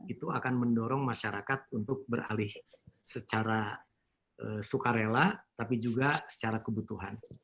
itu akan mendorong masyarakat untuk beralih secara sukarela tapi juga secara kebutuhan